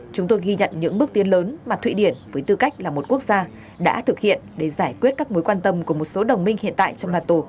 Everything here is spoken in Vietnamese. chúng tôi ghi nhận những bước tiến lớn mà thụy điển với tư cách là một quốc gia đã thực hiện để giải quyết các mối quan tâm của một số đồng minh hiện tại trong nato